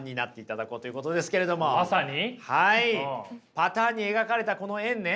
パターンに描かれたこの円ね